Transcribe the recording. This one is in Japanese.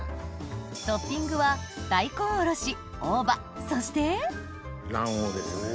トッピングは大根おろし大葉そして卵黄ですね。